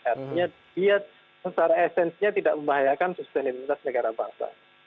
artinya dia secara esensinya tidak membahayakan sustenabilitas negara bangsa